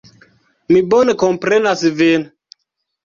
Mi bone komprenas vin.